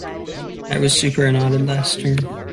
I was superannuated last term.